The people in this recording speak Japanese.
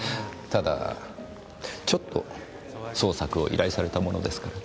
ただちょっと捜索を依頼されたものですから。